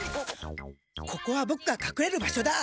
ここはボクがかくれる場所だ！